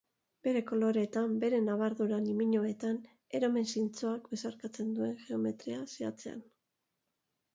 Bere koloreetan, bere nabardura niminoenetan, eromen zintzoak besarkatzen duen geometria zehatzean.